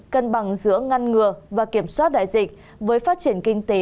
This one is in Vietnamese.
cân bằng giữa ngăn ngừa và kiểm soát đại dịch với phát triển kinh tế